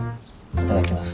いただきます。